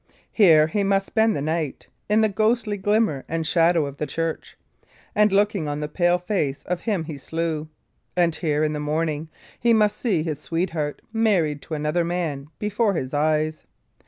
Here he must spend the night in the ghostly glimmer and shadow of the church, and looking on the pale face of him he slew; and here, in the morning, he must see his sweetheart married to another man before his eyes.